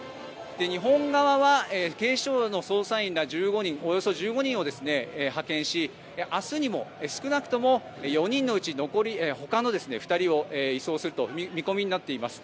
日本側は警視庁などの捜査員らおよそ１５人を派遣し明日にも少なくとも４人のうちほかの２人を移送するという見込みになっています。